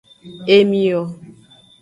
Emio.